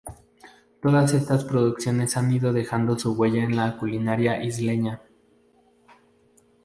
Todas estas producciones han ido dejando su huella en la culinaria isleña.